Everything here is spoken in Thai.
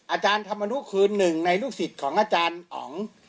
อาจารย์ธรรมนุคือหนึ่งในลูกศิษย์ของอาจารย์อ๋อง